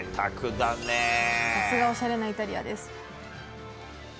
さすがおしゃれなイタリアです。